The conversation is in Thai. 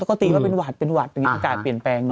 ปกติว่าเป็นหวัดเป็นหวัดเป็นอีกอากาศเปลี่ยนแปลงเนอะ